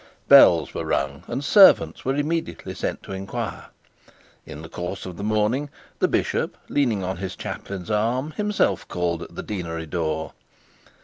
Bells were rung, and servants were immediately sent to inquire. In the course of the morning, the bishop, leaning on his chaplain's arm, himself called at the deanery door.